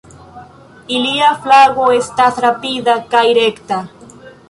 Ilia flugo estas rapida kaj rekta.